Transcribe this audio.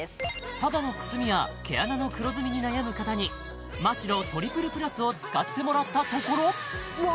肌のくすみや毛穴の黒ずみに悩む方にマ・シロトリプルプラスを使ってもらったところうわ